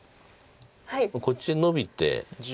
こっちノビて。